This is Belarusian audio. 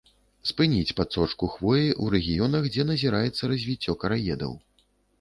Спыніць падсочку хвоі ў рэгіёнах, дзе назіраецца развіццё караедаў.